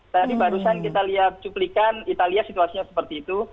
tadi barusan kita lihat cuplikan italia situasinya seperti itu